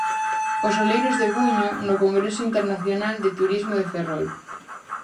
Os oleiros de Buño, no congreso internacional de turismo de Ferrol.